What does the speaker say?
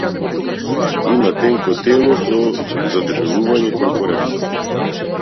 Има тенко тело со задебелување кон коренот.